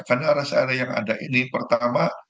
karena rest area yang ada ini pertama